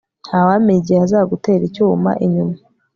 Ntawamenya igihe azagutera icyuma inyuma